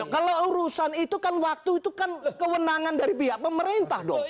kalau urusan itu kan waktu itu kan kewenangan dari pihak pemerintah dong